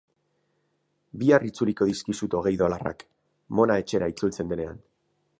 Bihar itzuliko dizkizut hogei dolarrak, Mona etxera itzultzen denean.